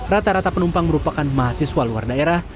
rata rata penumpang merupakan mahasiswa luar daerah